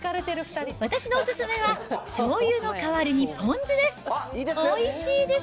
私のお勧めは、しょうゆの代わりにポン酢です。